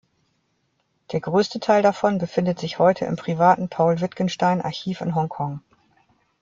Der größte Teil davon befindet sich heute im privaten Paul-Wittgenstein-Archiv in Hongkong.